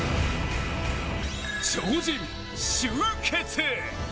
超人集結！